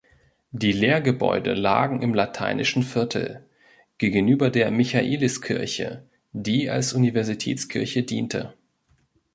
Die Lehrgebäude lagen im "Lateinischen Viertel", gegenüber der Michaeliskirche, die als Universitätskirche diente.